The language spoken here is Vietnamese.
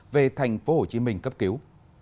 về thành phố hồ chí minh cấp cứu